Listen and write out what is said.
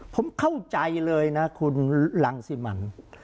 ผมเข้าใจเลยนะคุณรังสิมัน